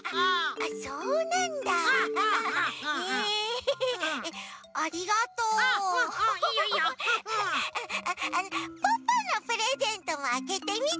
あっあのポッポのプレゼントもあけてみて。